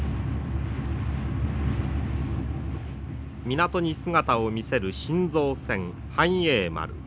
港に姿を見せる新造船繁栄丸。